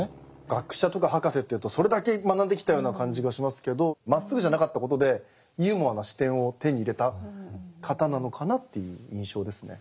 学者とか博士っていうとそれだけ学んできたような感じがしますけどまっすぐじゃなかったことでユーモアな視点を手に入れた方なのかなっていう印象ですね。